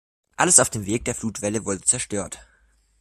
Alles auf dem Weg der Flutwelle wurde zerstört.